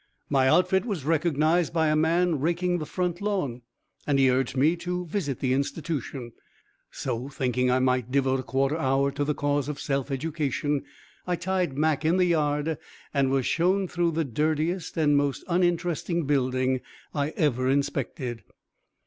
My outfit was recognized by a man raking the front lawn, and he urged me to visit the institution; so, thinking I might devote a quarter hour to the cause of self education, I tied Mac in the yard, and was shown through the dirtiest and most uninteresting building I ever inspected.